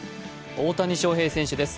大谷翔平選手です。